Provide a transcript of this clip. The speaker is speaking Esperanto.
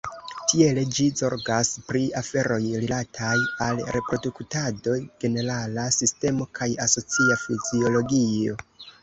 Tiele ĝi zorgas pri aferoj rilataj al reproduktado, genera sistemo kaj asocia fiziologio.